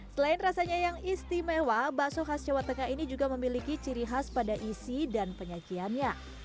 selain rasanya yang istimewa bakso khas jawa tengah ini juga memiliki ciri khas pada isi dan penyajiannya